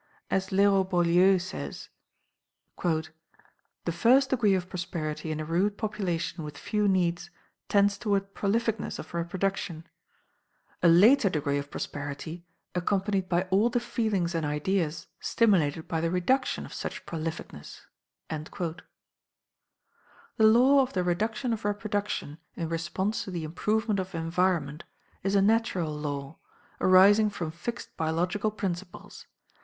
As Leroy Beaulieu says: "The first degree of prosperity in a rude population with few needs tends toward prolificness of reproduction; a later degree of prosperity, accompanied by all the feelings and ideas stimulated by the reduction of such prolificness." The law of the reduction of reproduction in response to the improvement of environment is a natural law, arising from fixed biological principles.